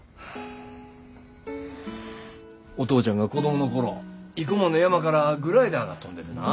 お父ちゃんが子供の頃生駒の山からグライダーが飛んでてな。